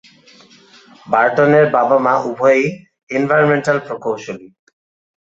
Burton এর বাবা-মা উভয়েই এনভায়রনমেন্টাল প্রকৌশলী।